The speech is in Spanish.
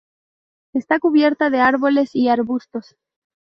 Esta cubierta de árboles y arbustos.